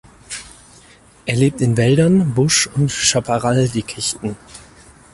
Er lebt in Wäldern, Busch und Chaparral-Dickichten.